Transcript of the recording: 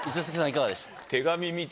いかがでした？